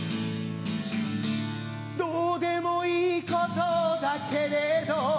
どうでもいいことだけれど